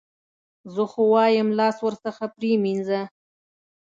زه خو وایم لاس ورڅخه پرې مینځه.